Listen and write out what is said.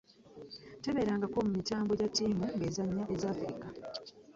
Tebabeerangako mu mitambo gya ttimu ngezannya eza Afirika.